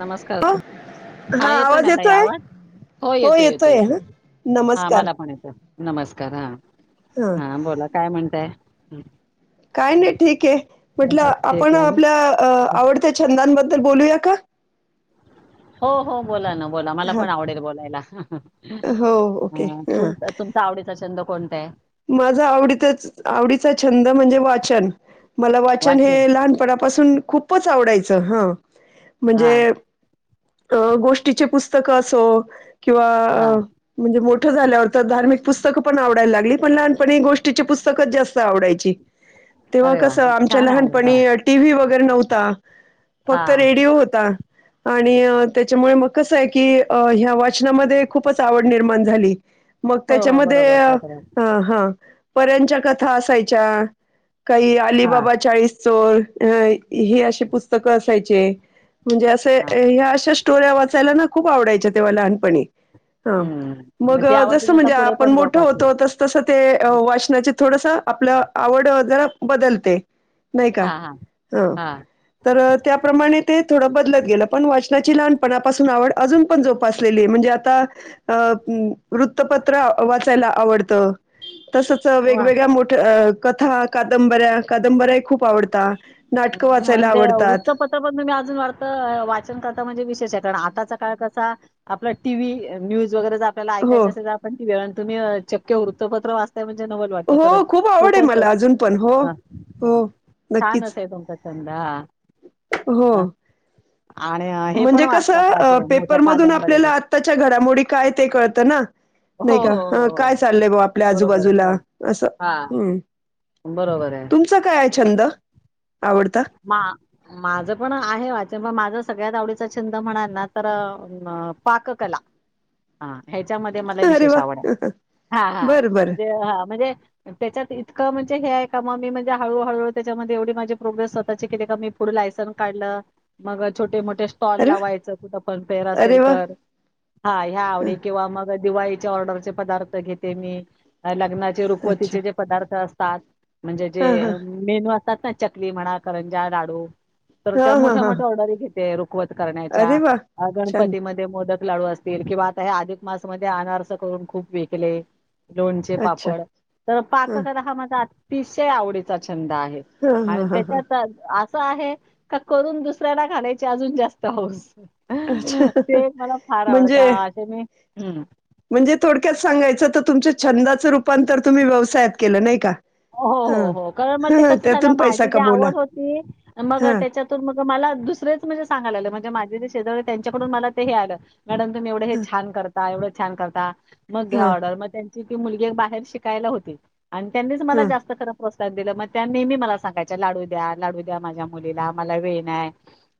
नमस्कार हो हा येतोय ना ताई आवाज हो येतोय येतोय हा नमस्कार मला पण येतोय नमस्कार हा हा बोला काय म्हणताय हम् काय नाही ठीक आहे म्हटलं ठीक आपण आहे ना आपल्या आवडत्या छंदांबद्दल बोलूया का हो, हो बोला ना बोला मला हा पण आवडेल बोलायला. हो ओके अं हा तुमचा आवडीचा छंद कोणत आहे. माझा आवडीच आवडीचा छंद म्हणजे वाचन मला वाचन हे लहानपणापासून. खूपच आवडायचं हा. हा म्हणजे गोष्टीचे पुस्तक. पुस्तक असो. हा किंवा म्हणजे मोठं झाल्यावरती. धार्मिक पुस्तक पण आवडायला लागलीत. पण लहानपणी गोष्टीची पुस्तकच जास्त आवडायची. तेव्हा अरे वा कस आमच्या छान आवड हा लहानपणी टीव्ही वगैरे नव्हता हा फक्त रेडिओ होता. आणि त्याच्यामुळे मग कसं आहे की ह्या वाचनामध्ये खूपच आवड निर्माण झाली. मग हो हो त्याच्यामध्ये. बरोबर काय करा हा परच्या कथा असायच्या. काही हा अलीबाबा चाळीस. [unintelligible] ही अशी पुस्तकं असतात. खायचे. म्हणजे असं हा ह्या अशा स्टोर्या वाचायला ना. खूप आवडायं तेव्हा लहानपणी. हा हम्म. मग ती आवड जसं तुम्ही आता म्हणजे पुढे आपण पण मोठं जोपासले होतो तस. तस ते वाचना थोडस आपल्या आवड [unintelligible] बदलते. नाही का हा हा हा तर त्याप्रमाणे ते थोड बदलत गेलं पण वाचनाची लहानपणापासून आवड अजून पण जोपासलेली आहे, म्हणजे आता वृत्तपत्र वाचायला आवडे. [unintelligible] तसंच वा वेगवेगळ्या मोठ्या कथा कादंबऱ्या कादंबऱ्याही खूप आवडतात. नाटकं वाचायला म्हणजे वृत्तपत्र पण तुम्ही अजून वाटतं वाचन करता म्हणजे विशेष आहे. आताचा काळ कसा आपला टी व्ही, न्यूज. वगैरे जर आपल्याला हो ऐकायचं असेल तर आपण ते वेळा. तुम्ही चक्क्य वृत्तपत्र वाचता. म्हणजे नवल वाटत खरं हो आवड खूप आहे असं मला अजून पण हो हा. हो नक्कीच [inaudible] चंदा. हो, आणि अ, हे पण म्हणजे कस वाचता का असे मोठ्या पेपरमधून कादंबऱ्या आपल्याला वगैरे आताच्या घडामोडी काय ते कळत ना. हो हो नाही का, हो काय हो चाललंय बा आपल्या बरोबर आहे आजूबाजूला हां असं. हां हम. बरोबर आहे तुमचा काय आहे छंद? आवडता मा माझं पण आहे वाचन माझ सगळ्यात आवडीचा छंद म्हणा ना तर पाककला. हा ह्याच्यामध्ये मला अरे विशेष वा आवड. हा हा. बरं बरं म्हणजे ह म्हणजे त्याच्यात इतकं म्हणजे हे आहे का मग मी म्हणजे हळूहळू त्याच्यामध्ये एवढी माझी प्रोग्रेस स्वतः ची केली का मी पुढ लायन काढलं, मग छोटे मो कुठे स्टॉल अरे वा लावायच कुठ पण फेर असेल अरे वा तर, हा ह्या हं, आवडी किंवा मग दिवाळीच्या ऑर्डरचे पदार्थ घेते मी लग्नाचे अच्छा रुखवतीचे जे पदार्थ अस [unintelligible] म्हणजे जे हा हा मेनू [unintelligible] चकली म्हणा करंजा, लाडू तर हा त्या हा मोठ्या हा मोठ्या ऑर्डर घेते. वत अरे करण्याच्या वा छान गणपतीमध्ये मोदक लाडू असतील किंवा आता हे अधिक मास मध्ये अनारस करून खूप विकले. लोणचे, अच्छा पापड तर पाक कला हा माझा आ अतिशय आवडीचा छंद आहे. हा हा आणि हा हा त्याच्यात आहे का करून दुसऱ्याला खालायची अजून जास्त हौस अच्छा ते मला फार आवडत म्हणजे असे मी हम्म म्हणजे थोडक्यात सांगायचं तर तुमच्या छंदाचं रूपांतर तुम्ही व्यवसायात केलं नाही का हो हा हो हो कारण मग ते हा कसं झालं त्यातून पैसा माझी जी कमवला आवड होती मग हा त्याच्यातून मग मला दुसरेच म्हणजे सांगायला म्हणजे माझ शेजव त्यांच्याकडून मला ते हे आलं मॅडम तुम्हीवढ हे हा छान करता एवढे छान करता मग घ्या हा ऑर्डर मग मुली बाहेर शिकायला होती आणि हा लास् ख मग त्या नेहमी मला सांगायच्या लाडू द्या लाडू द्या माझ्या मुलीला मला वेळ आहे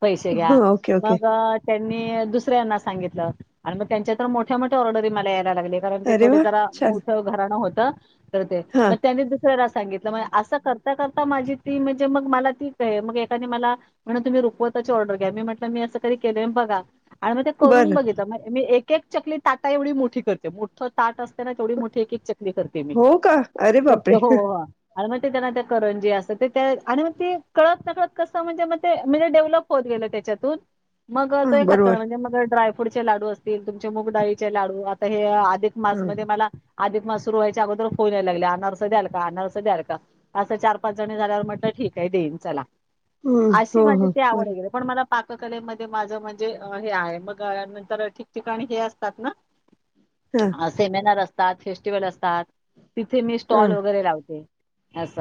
पैसे घ्या हा ओके ओके मग त्यांनी दुसऱ्यांना सांगितलं आणि मग त्यांच्या तर मोठ्या मोठ्या ऑर्डरी मला ते अरे थ वा ज छान मोठ घरा का कर हा म दुसऱ्याला सांगितलं असं करता करता माझी ती म्हणजे मग मला ती का आहे मग एकाने मला म्हण तुम्ही रुखवताची ऑर्डर घ्या मी म्हट मी असं कध केलंय बघा आणि मग ते करून बरं बघित मी एक केक चकली ताटा एवढी मोठी करते मोठं ताट असते ना तेवढी मोठी च हो का अरे तर ते बापरे हो हो आणि मग ते त्यांना ते करून जी असं ते आणि मग ते कळत नकळत कसं म्हणजे मग ते म्हणजे डेव्हलप होत गेलं त्याच्यातून मग त हा खात बरोबर म्हणे मग ड्राय डचे लाडू असतील तुमचे मगडाळीचे लाडू आता हे मास हा मध्ये मला अधिक मास सुर वयच्यागोदर होोय नाही लागल्या नर्स द्याल का नर्स द्याल का असं चार पाच जणी झाल्यावर म्हटलं ठीक आहे देईन चला हम्म अशी हो माझी हो ती आवड बरं गेली पण मला पाककलेमध्ये माझं म्हणजे हे आहे मग नंतर ठिकठिकाणी हे असतात ना हा अस से म ना रस्ता िव असतात तथे हा स्टॉल वगैरे लावते. असस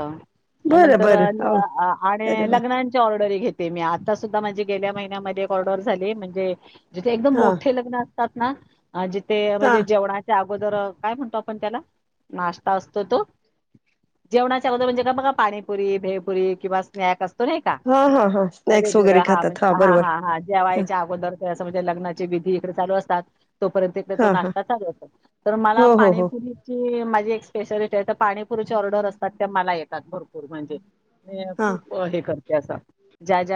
बरं नंतर बरं हो आणि अरे वा लग्णांच्या ऑर्डर घेते मी, आता सुद्धा माझी गेल्या महिन्यामध्ये एक ऑर्डर झाली म्हणजे जिथे एकदम हा मोठे लग्न असतात तात ना अ जिथे हा म्हणजे जेवणाच्या अगोदर काय म्हणतो आपण त्याला नाश्ता असतो तो जेवणाच्या अगोदर म्हणजे का बघा पाणीपुरी भेपुरी किंवा स्नॅक असतो नाही का हा हा हा स्नॅक्स वगैरे वेगवेगळा हा म्हण खातात हा बरोबर हा हा जेवा याच्या अगोदर ं म्हणजे लग्नाची विधी इकडे चालू असतात. तोपर्यंत तीकडे तो हा हा नाश्ता चालू असायचा, तर मला हो हो हो पाणीपुरीची माझी एक स्पेशालिटी पाणीपुरीचे ऑर्डर असतात त्या मला येतात भरपूर म्हणजे हा खूप हे कर त्याचा ज्या ज्या